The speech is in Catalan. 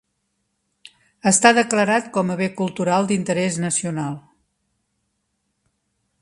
Està declarat com a bé cultural d'interès nacional.